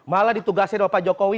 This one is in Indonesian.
malah ditugasin pak jokowi